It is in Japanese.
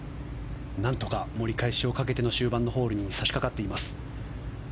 何とか盛り返しをかけての終盤のホールに差し掛かっています。